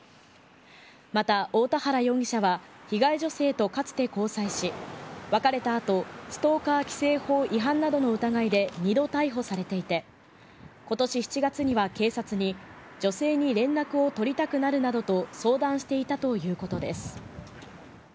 また大田原容疑者は、被害女性とかつて交際し、別れたあと、ストーカー規制法違反などの疑いで２度逮捕されていて、ことし７月には警察に、女性に連絡を取りたくなるなどと相談していたということです。